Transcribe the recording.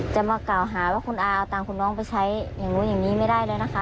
จะมากล่าวหาว่าคุณอาเอาตังค์คุณน้องไปใช้อย่างนู้นอย่างนี้ไม่ได้เลยนะคะ